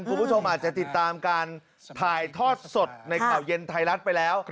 คุณผู้ชมอาจจะติดตามการถ่ายทอดสดในข่าวเย็นไทยรัฐไปแล้ว